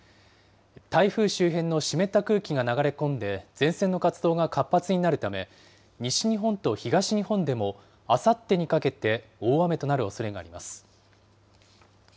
台風周辺の湿った空気が流れ込んで、前線の活動が活発になるため、西日本と東日本でもあさってにかけて大雨となるおそれがあります。